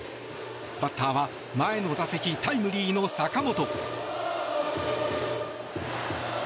バッターは前の打席タイムリーの坂本。